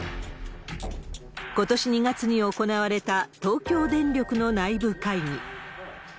ことし２月に行われた東京電力の内部会議。